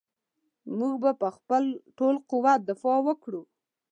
موږ به په خپل ټول قوت دفاع وکړو.